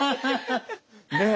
ねえ。